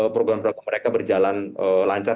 program program mereka berjalan lancar